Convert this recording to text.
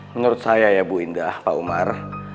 menurut saya ya bu indah pak umar